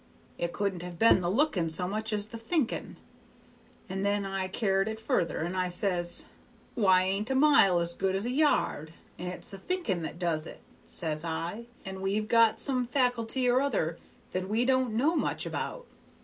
It couldn't have been the looking so much as the thinking. And then I car'd it further, and I says, 'Why ain't a mile as good as a yard? and it's the thinking that does it,' says I, 'and we've got some faculty or other that we don't know much about.